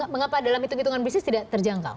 mengapa dalam hitung hitungan bisnis tidak terjangkau